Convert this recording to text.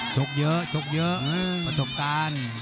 ชกเยอะชกเยอะประสบกัน